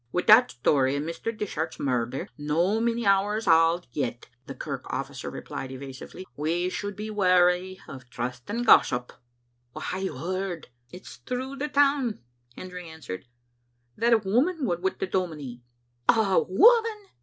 " Wi* that story o* Mr. Dishart's murder, no many hours auld yet," the kirk officer replied evasively, "we should be wary o* trusting gossip. "" What hae you heard?" "It's through the town," Hendry answered, "that a woman was wi' the dominie." " A woman